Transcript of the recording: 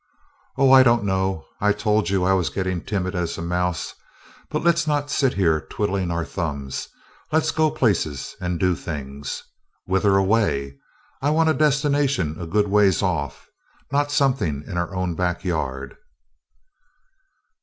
"Oh, I don't know I told you I was getting timid as a mouse. But let's not sit here twiddling our thumbs let's go places and do things. Whither away? I want a destination a good ways off, not something in our own back yard."